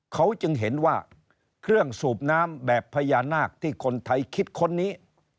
เขาจึงเห็นว่าเครื่องสูบน้ำแบบพญานาคที่คนไทยคิดค้นนี้